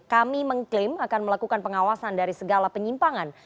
kami mengklaim akan melakukan pengawasan dari segala penyimpangan